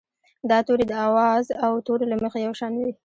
دا توري د آواز او تورو له مخې یو شان وي.